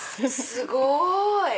すごい！